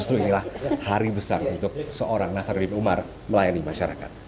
justru inilah hari besar untuk seorang nasaruddin umar melayani masyarakat